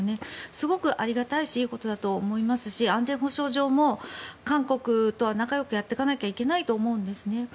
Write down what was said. すごくありがたいしいいことだと思いますし安全保障上も韓国とは仲よくやっていかなきゃいけないと思うんです。